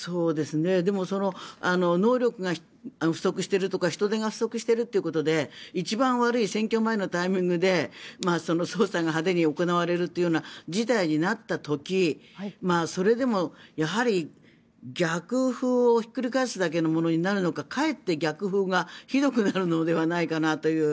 でも能力が不足しているとか人手が不足しているということで一番悪い選挙前のタイミングで捜査が派手に行われるというような事態になった時それでもやはり逆風をひっくり返すだけのものになるのかかえって逆風がひどくなるのではないかなという。